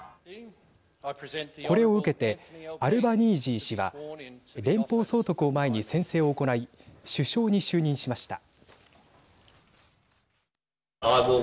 これを受けてアルバニージー氏は連邦総督を前に宣誓を行い首相に就任しました。